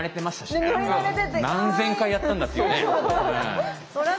何千回やったんだっていうね。